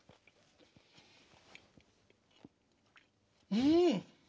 うん！